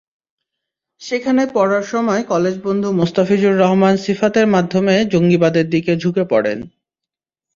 সেখানে পড়ার সময় কলেজবন্ধু মোস্তাফিজুর রহমান সিফাতের মাধ্যমে জঙ্গিবাদের দিকে ঝুঁকে পড়েন।